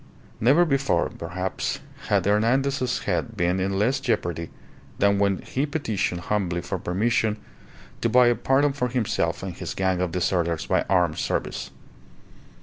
Never before, perhaps, had Hernandez's head been in less jeopardy than when he petitioned humbly for permission to buy a pardon for himself and his gang of deserters by armed service.